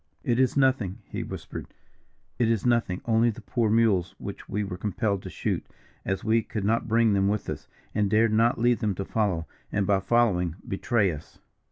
"It is nothing," he whispered; "it is nothing only the poor mules which we were compelled to shoot, as we could not bring them with us, and dared not leave them to follow, and, by following, betray us."